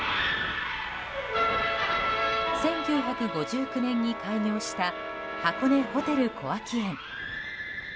１９５９年に開業した箱根ホテル小涌園。